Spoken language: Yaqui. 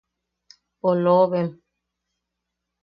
¡Poloobem!